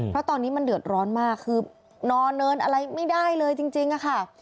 เพราะตอนนี้มันเดือดร้อนมากคือนอนเนินอะไรไม่ได้เลยจริงค่ะ